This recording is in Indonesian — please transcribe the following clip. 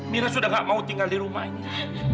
mira sudah gak mau tinggal di rumah ini